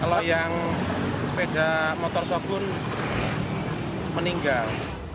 kalau yang sepeda motor sop pun meninggal